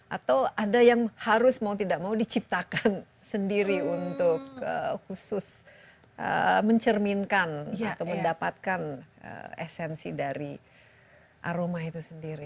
atau ada yang harus mau tidak mau diciptakan sendiri untuk khusus mencerminkan atau mendapatkan esensi dari aroma itu sendiri